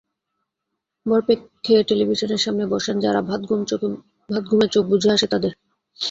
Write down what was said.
ভরপেট খেয়ে টেলিভিশনের সামনে বসেন যাঁরা, ভাতঘুমে চোখ বুজে আসে তাঁদের।